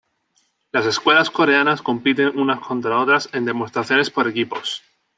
Las escuelas coreanas compiten unas contra otras en demostraciones por equipos.